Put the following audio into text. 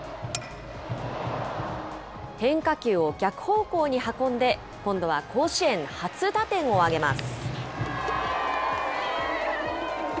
変化球を逆方向に運んで、今度は甲子園初打点を挙げます。